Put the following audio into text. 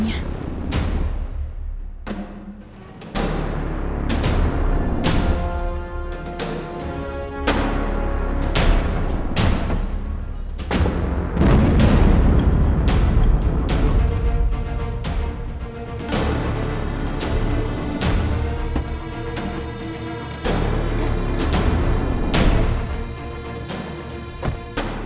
tidak ada apa apa